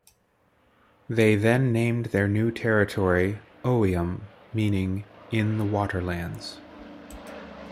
They then named their new territory "Oium", meaning "in the waterlands".